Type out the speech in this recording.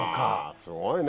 すごいね。